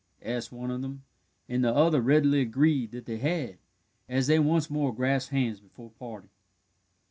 asked one of them, and the other readily agreed that they had, as they once more grasped hands before parting.